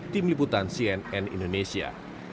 tim liputan cnn indonesia